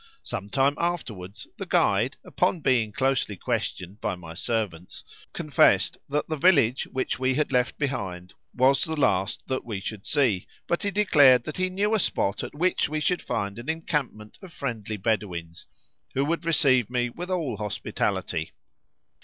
Some time afterwards the guide, upon being closely questioned by my servants, confessed that the village which we had left behind was the last that we should see, but he declared that he knew a spot at which we should find an encampment of friendly Bedouins, who would receive me with all hospitality.